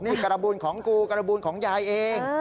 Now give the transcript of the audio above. นี่การบูลของกูการบูลของยายเอง